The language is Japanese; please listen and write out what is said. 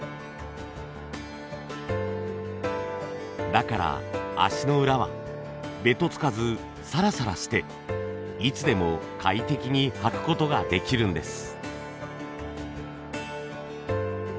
だから足の裏はべとつかずさらさらしていつでも快適に履く事ができるんです。